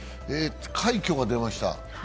快挙が出ました。